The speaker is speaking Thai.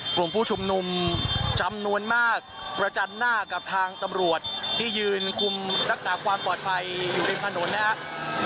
กลุ่มผู้ชุมนุมจำนวนมากประจันหน้ากับทางตำรวจที่ยืนคุมรักษาความปลอดภัยอยู่ริมถนนนะครับ